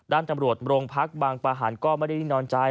ด้านตำรวจโรงพักษ์บางประหารก็ไม่ได้นอนใจ